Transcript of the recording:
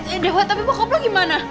eh eh dewa tapi bokap lo gimana